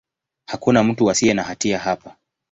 Hakuna mtu asiye na hatia hapa.